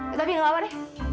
hah tapi nggak apa deh